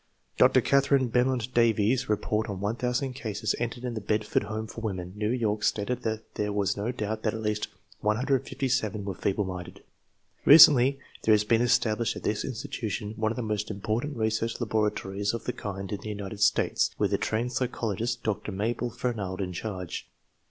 Dr. Katherine Bemont Davis's report on 1000 cases entered in the Bedford Home for Women, New York, stated that there was no doubt but that at least 157 were feeble minded. Recently there has been established at this institution one of the most important research laboratories of the kind in the United States, with a trained psychologist, Dr. Mabel Fernald, in charge.